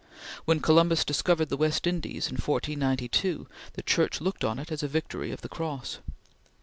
When Columbus discovered the West Indies in 1492, the Church looked on it as a victory of the Cross.